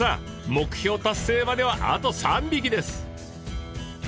目標達成まではあと３匹です！